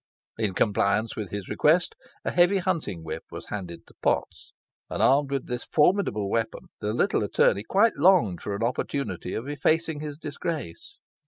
In compliance with his request, a heavy hunting whip was handed to Potts, and, armed with this formidable weapon, the little attorney quite longed for an opportunity of effacing his disgrace.